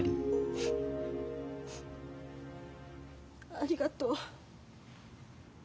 ありがとう。